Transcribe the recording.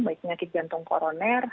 baik nyakit jantung koroner